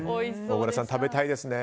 小倉さん、食べたいですね。